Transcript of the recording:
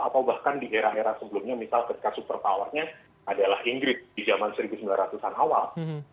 atau bahkan di era era sebelumnya misal ketika super powernya adalah inggris di zaman seribu sembilan ratus an awal